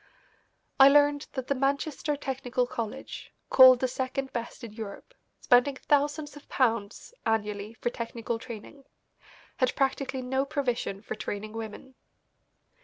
I learned that the Manchester Technical College, called the second best in Europe, spending thousands of pounds annually for technical training, had practically no provision for training women.